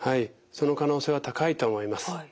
その可能性は高いと思います。